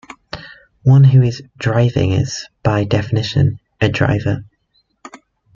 One who is "driving" is, by definition, a "driver".